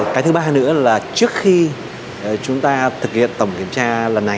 cái thứ ba nữa là trước khi chúng ta thực hiện tổng kiểm tra lần này